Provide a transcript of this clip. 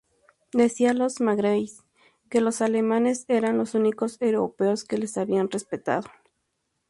Decía los magrebíes que los alemanes eran los únicos europeos que les habían respetado.